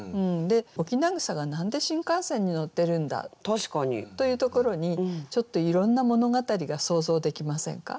翁草が何で新幹線に乗ってるんだ？というところにちょっといろんな物語が想像できませんか。